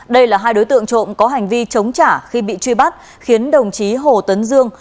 đây là hai đối tượng trộm có hành vi chống trả khi bị truy bắt khiến đồng chí hồ tấn dương